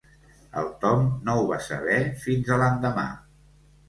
El Tom no ho va saber fins a l'endemà.